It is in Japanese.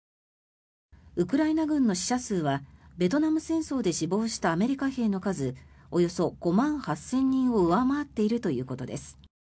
ウクライナ軍の死者数はベトナム戦争で死亡したアメリカ兵の数およそ５万８０００人を上回っているということです。